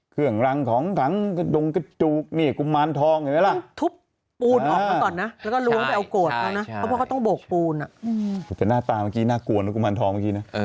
เครื่องรังของทั้งกระดูกเนี่ยกุมารทองเห็นไหมล่ะ